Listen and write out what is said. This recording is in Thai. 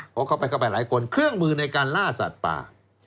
เพราะเขาไปเข้าไปหลายคนเครื่องมือในการล่าสัตว์ป่า